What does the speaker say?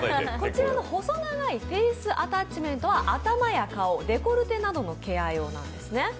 こちらの細長いフェイスアタッチメントは頭や顔、デコルテなどのケア用なんですね。